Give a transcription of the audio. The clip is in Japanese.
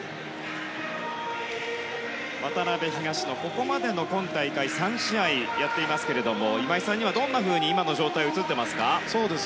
ここまで今大会３試合やってますが今井さんには、どんなふうに今の状態、映ってますか？